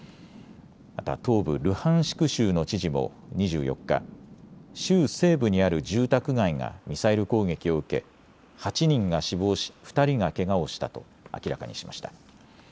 また東部ルハンシク州の知事も２４日、州西部にある住宅街がミサイル攻撃を受け８人が死亡し２人がけがをしたと明らかにしました。